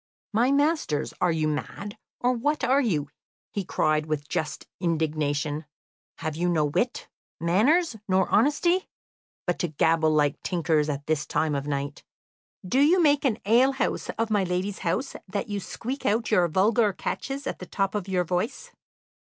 "My masters, are you mad, or what are you?" he cried, with just indignation. "Have you no wit, manners, nor honesty, but to gabble like tinkers at this time of night? Do you make an alehouse of my lady's house that you squeak out your vulgar catches at the top of your voice?